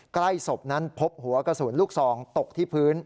ใกล้ศพนั้นพบหัวกระสุนลูกซองตกที่พื้น